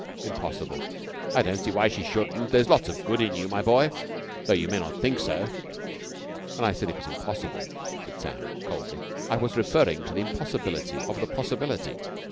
"Impossible!" "I don't see why she shouldn't. There's lots of good in you, my boy, though you may not think so." "When I said it was impossible," said Sam coldly, "I was referring to the impossibility of the possibility....